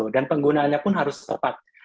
dan penggunaannya pun harus tepat